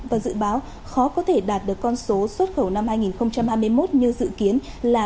và dự báo khó có thể đạt được con số xuất khẩu năm hai nghìn hai mươi một như dự kiến là